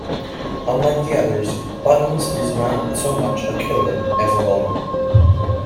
Unlike the others, Buttons is not so much a killer as a lover.